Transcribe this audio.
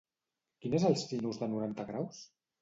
Quin és el sinus de noranta graus?